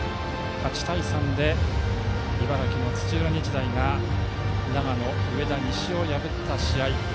８対３で茨城の土浦日大が長野・上田西を破った試合。